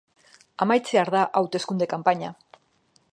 Amaitzear da hauteskunde kanpaina.